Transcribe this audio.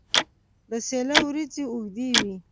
د سیله وریجې اوږدې وي.